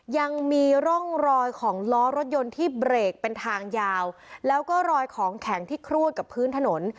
ยังมีร่องรอยของล้อรถยนต์ที่เบรกเป็นทางยาวแล้วก็รอยของแข็งที่ครูดกับพื้นถนน